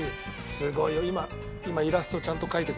すごいよ今。